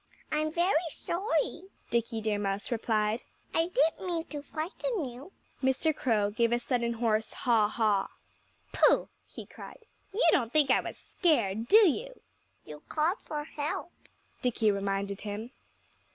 "I'm very sorry," Dickie Deer Mouse replied. "I didn't mean to frighten you." Mr. Crow gave a sudden hoarse haw haw. "Pooh!" he cried. "You don't think I was scared, do you?" "You called for help," Dickie reminded him.